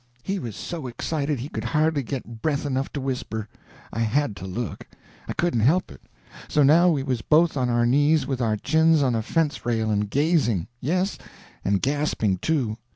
He was so excited he could hardly get breath enough to whisper. I had to look. I couldn't help it. So now we was both on our knees with our chins on a fence rail and gazing—yes, and gasping too.